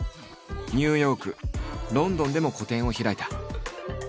ニューヨークロンドンでも個展を開いた。